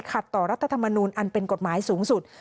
ขัดต่อรัฐธรรมนูลอันเป็นกฎหมายสูงสุด